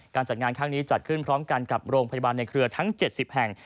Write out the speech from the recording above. จัดงานข้างนี้จัดขึ้นพร้อมกันกับโรงพยาบาลในเครือทั้ง๗๐แห่ง